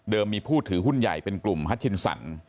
มีผู้ถือหุ้นใหญ่เป็นกลุ่มฮัชชินสัน